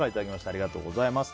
ありがとうございます。